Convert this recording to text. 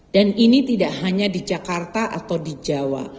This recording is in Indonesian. dan ini tidak hanya di jakarta atau di jawa